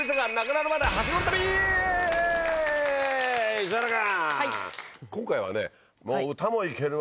石原君。